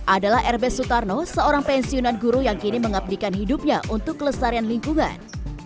adalah r b sutarno seorang pensiunan guru yang kini mengabdikan hidupnya untuk kelesarian lingkungan